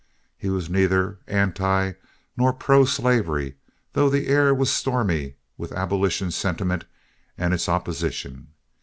He was neither anti nor pro slavery, though the air was stormy with abolition sentiment and its opposition.